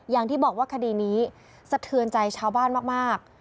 อย่างที่บอกว่าคดีนี้สะเทือนใจชาวบ้านมาก